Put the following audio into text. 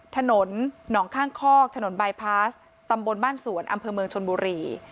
ถนนหนองข้างคอกถนนบายพาสตำบลบ้านสวนอำเภอเมืองชนบุรี